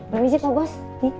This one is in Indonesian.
berbisu pak bos